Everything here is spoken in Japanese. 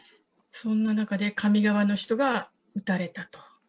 そんな中で神側の人が撃たれたと。